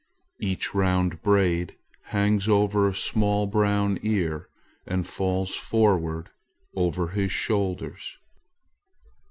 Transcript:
Each round braid hangs over a small brown ear and falls forward over his shoulders.